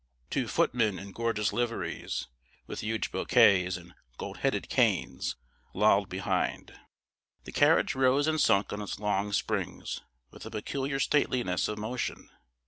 Two footmen in gorgeous liveries, with huge bouquets, and gold headed canes, lolled behind. The carriage rose and sunk on its long springs with a peculiar stateliness of motion.